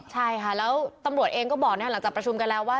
ใช่ค่ะแล้วตำรวจเองก็บอกหลังจากประชุมกันแล้วว่า